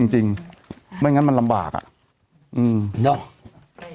ไม่งั้นมันลำบากอ่ะ